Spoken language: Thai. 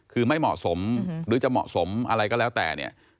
คือไม่เหมาะสมหรือจะเหมาะสมอะไรก็แล้วแต่เนี่ย